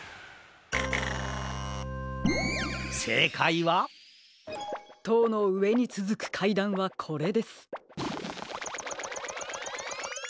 せいかいはとうのうえにつづくかいだんはこれです。